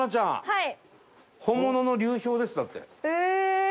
はい。